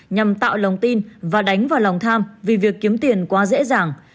nhằm tạo lòng tin và đánh vào lòng tham vì việc kiếm tiền quá dễ dàng